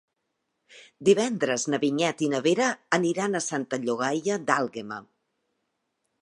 Divendres na Vinyet i na Vera aniran a Santa Llogaia d'Àlguema.